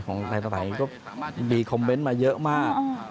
ของไทยต่างก็มีคอมเบนต์มาเยอะมาก